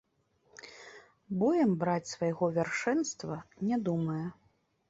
Боем браць свайго вяршэнства не думае.